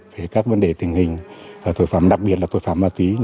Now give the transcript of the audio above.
về các vấn đề tình hình đặc biệt là tội phạm ma túy